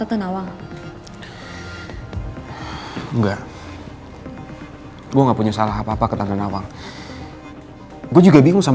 tante nawang juga ada bersikap dingin ke gue